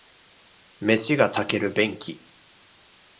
飯が炊ける便器